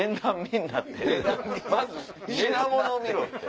まず品物を見ろって。